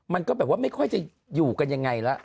มันก็แบบว่าไม่ค่อยจะอยู่กันยังไงละ